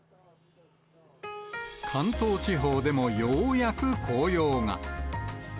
関東地方でもようやく紅葉が。